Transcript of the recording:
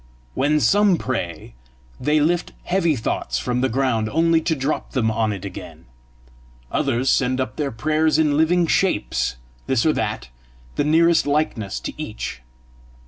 When some pray, they lift heavy thoughts from the ground, only to drop them on it again; others send up their prayers in living shapes, this or that, the nearest likeness to each.